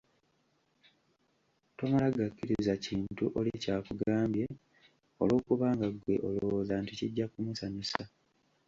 Tomala gakkiriza kintu oli ky'akugambye olw'okubanga ggwe olowooza nti kijja kumusanyusa.